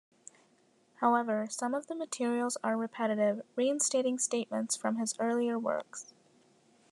However, some of the materials are repetitive, re-instating statements from his earlier works.